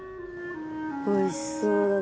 おいしそうだな。